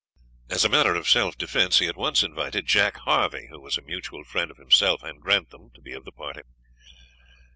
As a matter of self defense he at once invited Jack Harvey, who was a mutual friend of himself and Grantham, to be of the party.